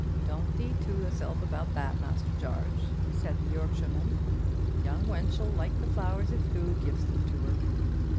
"Don't thee tew thyself about that, Master Jarge," said the Yorkshireman; "th' young wench 'll like the flowers if thoo givest 'em til her."